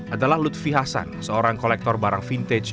adalah lutfi hasan seorang kolektor barang vintage